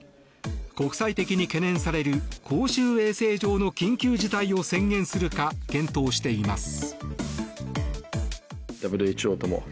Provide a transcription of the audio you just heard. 国際的に懸念される公衆衛生上の緊急事態宣言を宣言するか検討しています。